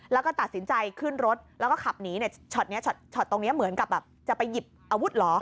แล้วก็ตัดสินใจขึ้นรถแล้วก็ขับหนีช็อตนี้ช็อตตรงนี้เหมือนกับแบบจะไปหยิบอาวุธเหรอ